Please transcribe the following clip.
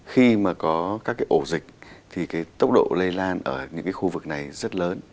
khi mà có các ổ dịch thì tốc độ lây lan ở những khu vực này rất lớn